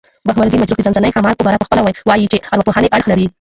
بهاوالدین مجروح د ځانځانۍ ښامارپه باره پخپله وايي، چي ارواپوهني اړخ لري.